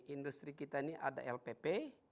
industri kita ini ada lpp